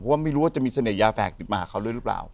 ว่าไม่รู้ว่าจะมีเสน่หยาแฝกติดมาหาเขาด้วยหรือเปล่า